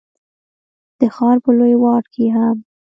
د ښار په لوی واټ کي هم،